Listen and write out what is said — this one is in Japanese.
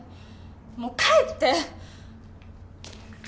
もう帰って！